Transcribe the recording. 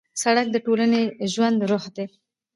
سړک د ټولنې ژوندی روح دی.